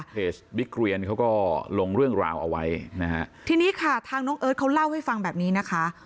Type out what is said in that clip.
บิ๊กเรียนเขาก็ลงเรื่องราวเอาไว้นะฮะทีนี้ค่ะทางน้องเอิร์ทเขาเล่าให้ฟังแบบนี้นะคะ